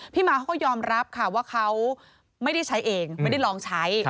มาเขาก็ยอมรับค่ะว่าเขาไม่ได้ใช้เองไม่ได้ลองใช้